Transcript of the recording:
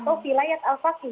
oke atau fiasi